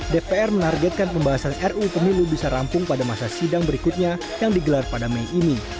dpr menargetkan pembahasan ruu pemilu bisa rampung pada masa sidang berikutnya yang digelar pada mei ini